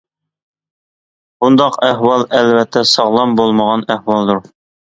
بۇنداق ئەھۋال ئەلۋەتتە ساغلام بولمىغان ئەھۋالدۇر.